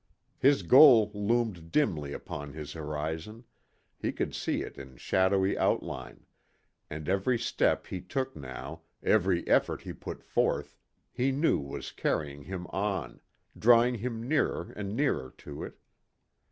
His goal loomed dimly upon his horizon, he could see it in shadowy outline, and every step he took now, every effort he put forth, he knew was carrying him on, drawing him nearer and nearer to it.